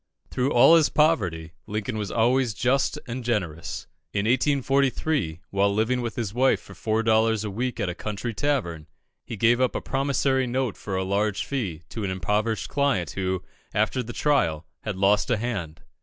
Through all his poverty, Lincoln was always just and generous. In 1843, while living with his wife for four dollars a week, at a country tavern, he gave up a promissory note for a large fee to an impoverished client who, after the trial, had lost a hand.